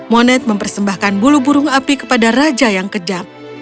moned mempersembahkan bulu burung api kepada raja cloud